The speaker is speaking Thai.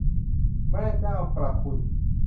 แม่เจ้าประคุณ